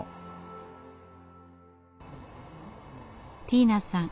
ティーナさん